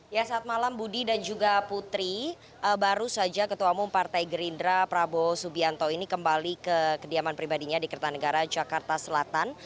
ya saat malam budi dan juga putri baru saja ketua umum partai gerindra prabowo subianto ini kembali ke kediaman pribadinya di kertanegara jakarta selatan